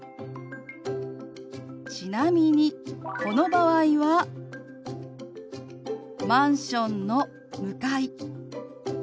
ちなみにこの場合は「マンションの向かい」。